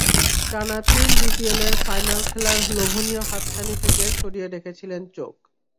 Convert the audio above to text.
টানা তিন বিপিএলের ফাইনাল খেলার লোভনীয় হাতছানি থেকে সরিয়ে রেখেছিলেন চোখ।